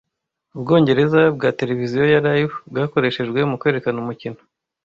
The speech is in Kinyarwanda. Ubwongereza bwa tereviziyo ya Live bwakoreshejwe mu kwerekana umukino